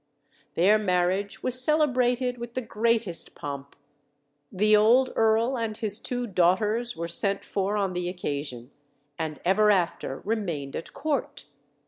Their marriage was celebrated with the greatest pomp. The old earl and his cwo daughters were sent for on the occasion, and ever after remained at court.